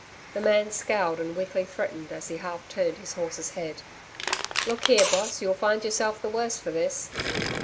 The man scowled, and weakly threatened as he half turned his horse's head. 'Look here, Boss, you'll find yourself the worse for this.'